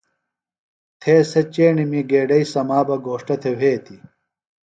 تھے سےۡ چیݨیمی گیڈئیۡ سما بہ گھوݜٹہ تھےۡ وھیتیۡ۔